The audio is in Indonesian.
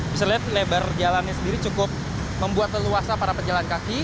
bisa dilihat lebar jalannya sendiri cukup membuat leluasa para pejalan kaki